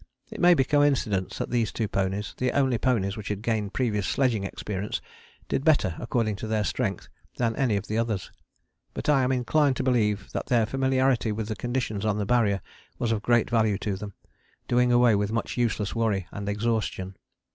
It may be coincidence that these two ponies, the only ponies which had gained previous sledging experience, did better according to their strength than any of the others, but I am inclined to believe that their familiarity with the conditions on the Barrier was of great value to them, doing away with much useless worry and exhaustion.